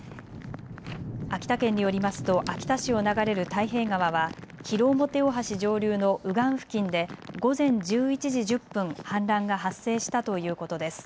秋田県によりますと秋田市を流れる太平川は広面大橋上流の右岸付近で午前１１時１０分、氾濫が発生したということです。